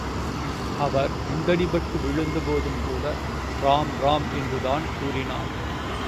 அவர் குண்டடிபட்டு விழுந்த போதும்கூட ராம்ராம் என்றுதான் கூறினார்.